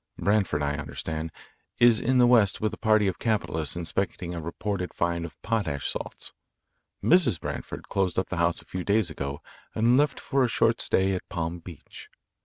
Branford, I understand, is in the West with a party of capitalists, inspecting a reported find of potash salts. Mrs. Branford closed up the house a few days ago and left for a short stay at Palm Beach.